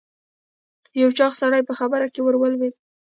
یو چاغ سړی په خبره کې ور ولوېد.